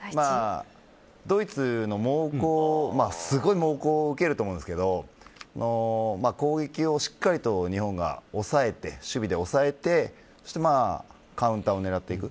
ドイツのすごい猛攻を受けると思うんですけど攻撃をしっかりと日本が守備で抑えてカウンターを狙っていく。